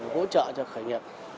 hỗ trợ cho khởi nghiệp